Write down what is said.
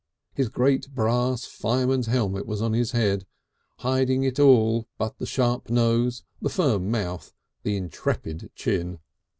His great brass fireman's helmet was on his head, hiding it all but the sharp nose, the firm mouth, the intrepid chin.